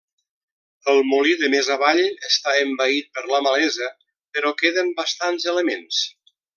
El Molí de Més Avall està envaït per la malesa, però queden bastants elements.